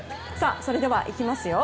それではいきますよ。